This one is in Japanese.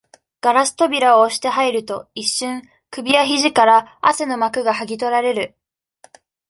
ガラス扉を押して入ると、一瞬、首や肘から、汗の膜が剥ぎとられる。